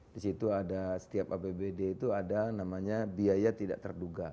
di situ ada setiap apbd itu ada namanya biaya tidak terduga